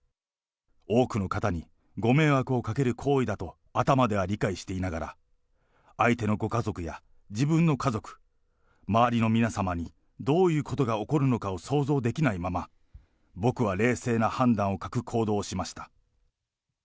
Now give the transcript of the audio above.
多くの方にご迷惑をかける行為だと頭では理解していながら、相手のご家族や自分の家族、周りの皆様にどういうことが起こるのかを想像できないまま、僕は冷静な判断を欠く行動をしました。